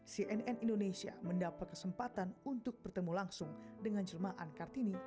cnn indonesia mendapat kesempatan untuk bertemu langsung dengan jelma ankar tini